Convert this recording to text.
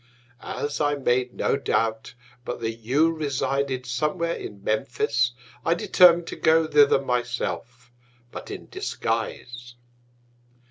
As I made no Doubt but that you resided somewhere in Memphis, I determin'd to go thither my self, but in Disguise.